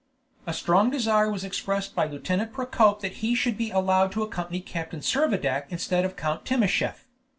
A strong desire was expressed by Lieutenant Procope that he should be allowed to accompany Captain Servadac instead of Count Timascheff.